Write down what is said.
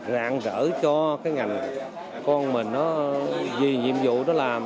rạng rỡ cho cái ngành con mình nó vì nhiệm vụ nó làm